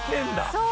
そう。